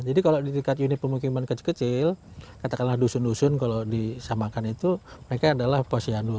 jadi kalau di tingkat unit pemukiman kecil kecil katakanlah dusun dusun kalau disamakan itu mereka adalah posyandu